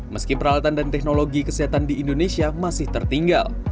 meski peralatan dan teknologi kesehatan di indonesia masih tertinggal